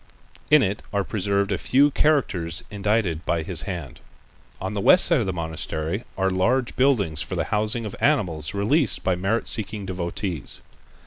In it are preserved a few characters indited by his hand. On the west side of the monastery are large buildings for the housing of animals released by merit seeking devotees.